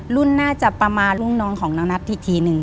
รุ่นน่าจะประมาณรุ่นนอนของนางนัททีหนึ่ง